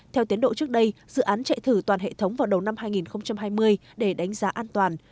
theo tiến độ trước đây dự án chạy thử toàn hệ thống vào đầu năm hai nghìn hai mươi để đánh giá an toàn